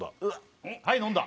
はい飲んだ！